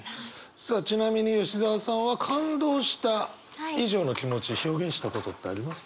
さあちなみに吉澤さんは感動した以上の気持ち表現したことってあります？